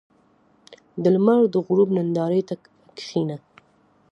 • د لمر د غروب نندارې ته کښېنه.